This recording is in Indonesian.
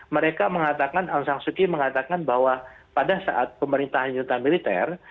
mereka mengatakan aung sang suki mengatakan bahwa pada saat pemerintahan junta militer